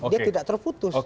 dia tidak terputus